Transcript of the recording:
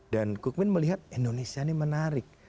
dan kukmin melihat indonesia ini menarik